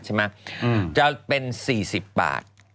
จะเป็น๔๐บาท